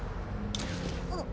あっ。